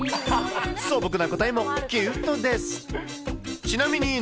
素朴な答えもキュートです。